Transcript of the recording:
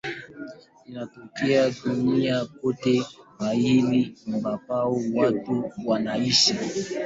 Inatokea duniani kote mahali ambapo watu wanaishi.